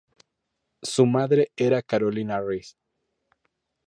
Su madre era Carolina Riis.